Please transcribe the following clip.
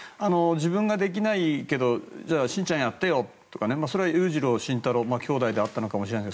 自分ができないけどしんちゃんやってよ、とか裕次郎と慎太郎は兄弟であったのかもしれない。